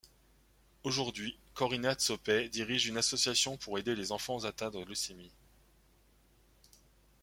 Aujourd'hui, Corinna Tsopei dirige une association pour aider les enfants atteints de leucémie.